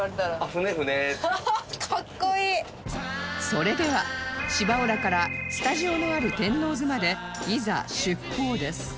それでは芝浦からスタジオのある天王洲までいざ出航です